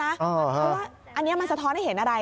เพราะว่าอันนี้มันสะท้อนให้เห็นอะไร